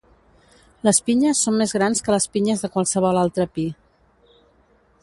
Les pinyes són més grans que les pinyes de qualsevol altre pi.